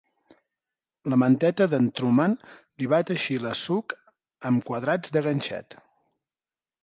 La manteta d'en Truman li va teixir la Sook amb quadrats de ganxet